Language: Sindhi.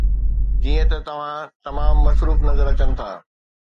جيئن ته توهان تمام مصروف نظر اچن ٿا